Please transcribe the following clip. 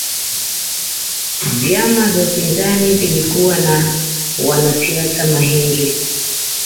vyama vya upinzani vilikuwa na wanasiasa mahiri